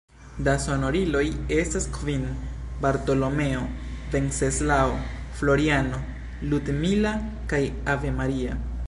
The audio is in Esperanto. Da sonoriloj estas kvin: Bartolomeo, Venceslao, Floriano, Ludmila kaj Ave Maria.